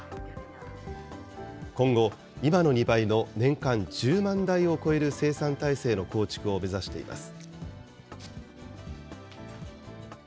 今後、今の２倍の年間１０万台を超える生産体制の構築を目指しています。